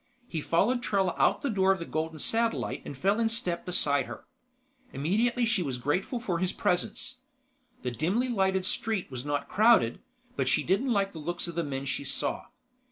He followed Trella out the door of the Golden Satellite and fell in step beside her. Immediately she was grateful for his presence. The dimly lighted street was not crowded, but she didn't like the looks of the men she saw.